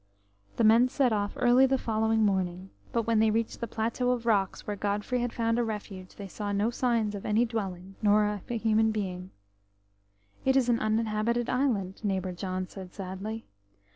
The men set off early the following morning, but when they reached the plateau of rocks where Godfrey had found a refuge, they saw no signs of any dwelling, nor of a human being. "It is an uninhabited island!" neighbour John said sadly.